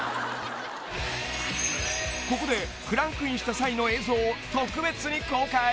［ここでクランクインした際の映像を特別に公開］